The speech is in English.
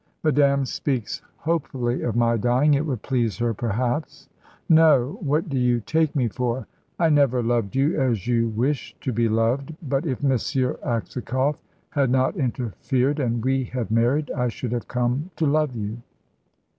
"Madame speaks hopefully of my dying. It would please her, perhaps?" "No. What do you take me for? I never loved you as you wished to be loved; but if M. Aksakoff had not interfered, and we had married, I should have come to love you."